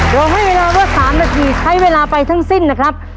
โดยให้เวลาว่า๓นาทีใช้เวลาไปทั้งสิ้นนะครับ